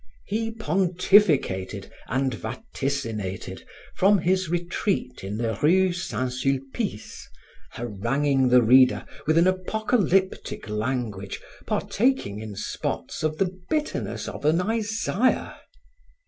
He pontificated and vaticinated from his retreat in the rue Saint Sulpice, haranguing the reader with an apocalyptic language partaking in spots of the bitterness of an Isaiah.